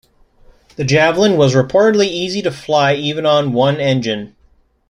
The Javelin was reportedly easy to fly even on one engine.